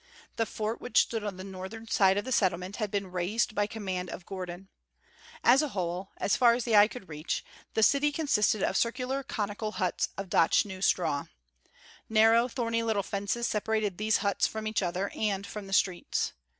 The fort which stood on the northern side of the settlement had been razed by command of Gordon. As a whole, as far as the eye could reach the city consisted of circular conical huts of dochnu straw. Narrow, thorny little fences separated these huts from each other and from the streets.